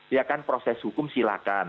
ya kan proses hukum silahkan